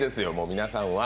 皆さんは。